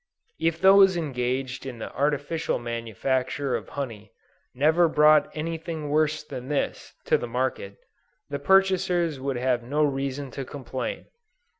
If those engaged in the artificial manufacture of honey, never brought any thing worse than this, to the market, the purchasers would have no reason to complain.